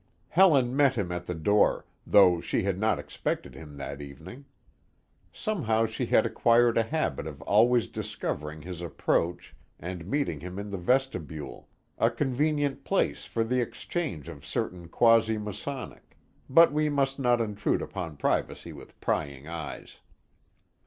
Helen met him at the door, though she had not expected him that evening. Somehow she had acquired a habit of always discovering his approach and meeting him in the vestibule, a convenient place for the exchange of certain quasi masonic but we must not intrude upon privacy with prying eyes.